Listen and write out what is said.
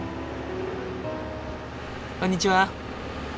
こんにちは。